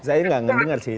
saya gak mendengar sih